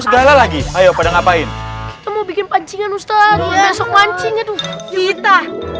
segala lagi ayo pada ngapain mau bikin pancingan ustadz masuk mancing itu kita